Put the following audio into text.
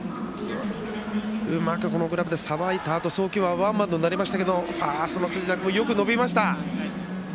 うまくグラブでさばいたあと送球はワンバウンドになりましたがファーストの辻田君よく伸びました。